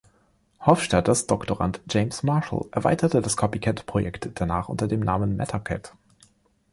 Hofstadters Doktorand James Marshall erweiterte das Copycat-Projekt danach unter dem Namen „Metacat“.